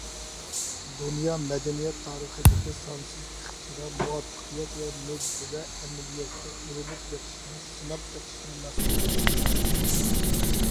دۇنيا مەدەنىيەت تارىخىدىكى سانسىز ئىختىرا، مۇۋەپپەقىيەت ۋە مۆجىزىلەر ئەمەلىيەتتە ئۇرۇنۇپ بېقىشنىڭ، سىناپ بېقىشنىڭ مەھسۇلىدۇر.